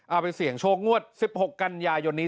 เอาไปเสี่ยงโชคงวด๑๖กันยายนนี้